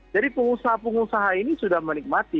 jadi pengusaha pengusaha ini sudah menikmati